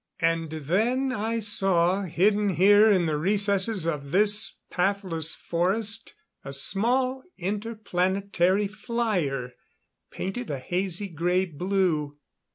] And then I saw, hidden here in the recesses of this pathless forest, a small inter planetary flyer, painted a hazy grey blue.